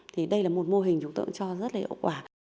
thì đây là một mô hình chúng tôi cho rất là hiệu quả